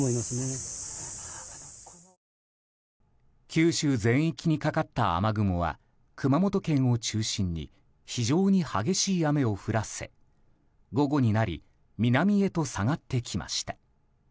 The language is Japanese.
九州全域にかかった雨雲は熊本県を中心に非常に激しい雨を降らせ午後になり南へと下がってきました。